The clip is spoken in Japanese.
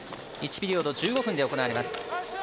１ピリオド１５分で行われます。